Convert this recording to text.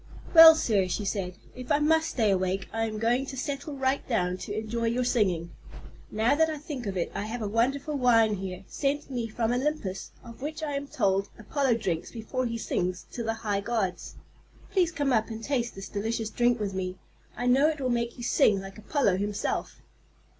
"Well sir," she said, "if I must stay awake, I am going to settle right down to enjoy your singing. Now that I think of it, I have a wonderful wine here, sent me from Olympus, of which I am told Apollo drinks before he sings to the high gods. Please come up and taste this delicious drink with me. I know it will make you sing like Apollo himself."